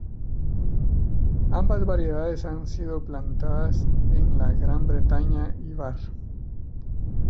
Ambas variedades han sido plantadas en la Gran Bretaña y var.